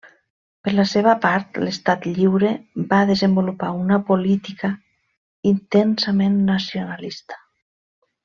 Per la seva part, l'Estat Lliure va desenvolupar una política intensament nacionalista.